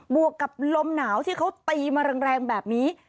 วกกับลมหนาวที่เขาตีมาแรงแบบนี้